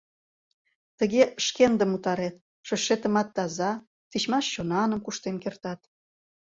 Тыге шкендым утарет, шочшетымат таза, тичмаш чонаным куштен кертат.